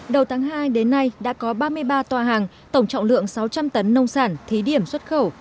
đầu tháng hai đến nay đã có ba mươi ba tòa hàng tổng trọng lượng sáu trăm linh tấn nông sản thí điểm xuất khẩu